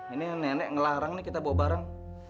ini nenek ngelarang nih kita bawa barang